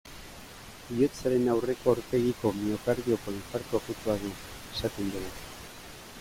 Bihotzaren aurreko aurpegiko miokardioko infartu akutua du, esaten dugu.